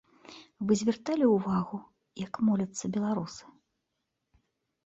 Вы звярталі ўвагу, як моляцца беларусы?